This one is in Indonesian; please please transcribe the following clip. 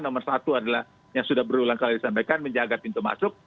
nomor satu adalah yang sudah berulang kali disampaikan menjaga pintu masuk